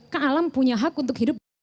ke alam punya hak untuk hidup